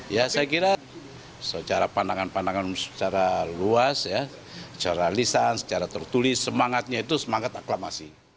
ya saya kira secara pandangan pandangan secara luas ya secara lisan secara tertulis semangatnya itu semangat aklamasi